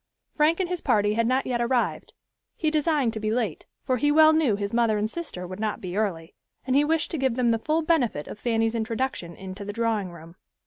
Frank and his party had not yet arrived. He designed to be late, for he well knew his mother and sister would not be early, and he wished to give them the full benefit of Fanny's introduction into the drawing room.